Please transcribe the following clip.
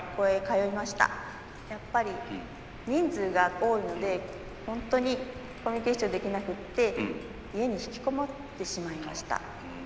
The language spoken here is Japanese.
やっぱり人数が多いので本当にコミュニケーションできなくて家に引きこもってしまいました。